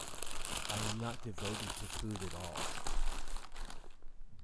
I am not devoted to food at all.